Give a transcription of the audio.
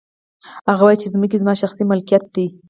هغه وايي چې ځمکې زما شخصي ملکیت دی